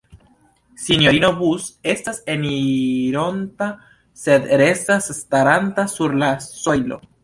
Sinjorino Bus estas enironta, sed restas staranta sur la sojlo.